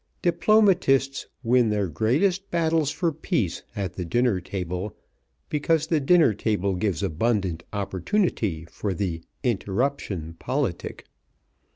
Diplomatists win their greatest battles for peace at the dinner table, because the dinner table gives abundant opportunity for the "interruption politic."